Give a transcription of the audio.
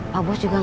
pabos juga gak ada